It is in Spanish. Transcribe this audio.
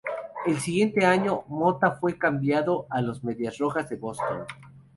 El siguiente año, Mota fue cambiado a los Medias Rojas de Boston.